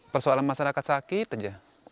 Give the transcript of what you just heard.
persoalan masyarakat sakit saja